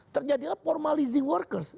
terjadilah formalizing workers